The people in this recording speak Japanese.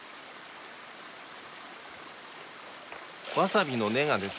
わさびの根がですね